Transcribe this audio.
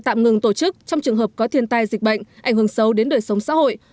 tạm ngừng tổ chức trong trường hợp có thiên tai dịch bệnh ảnh hưởng sâu đến đời sống xã hội